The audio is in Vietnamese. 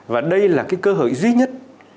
và đây là cái cơ hội duy nhất